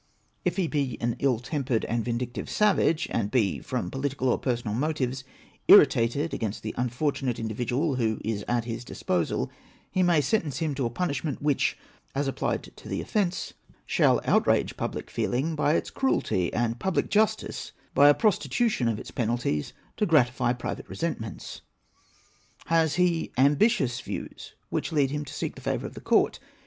If he be an ill tempered and vindictive savage, and be, from political or personal motives, irritated against the unfortunate individual who is at his disposal, he may sentence him to a punishment which, as applied to the offence, shall outrage public feeling b}^ its cruelty, and public justice by a prostitution of its penalties to gratify private resentments. Has he ambitious views, which lead him to seek the favour of the court?